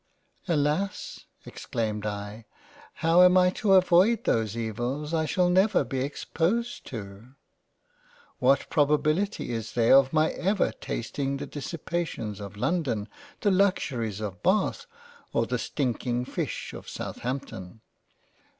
" Alas ! (exclaimed I) how am I to avoid those evils I shall never be exposed to ? What probability is there of my ever tasting the Dissipations of London, the Luxuries of Bath, or the stinking Fish of Southampton